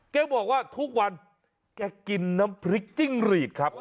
แกบอกว่าทุกวันแกกินน้ำพริกจิ้งหรีดครับ